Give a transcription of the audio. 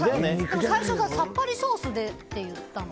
でも最初ささっぱりソースって言ってたよ。